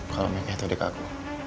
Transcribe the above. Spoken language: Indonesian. kalau meka itu adik aku